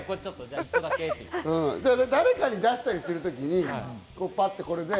誰かに出したりするときに、パッてこれで。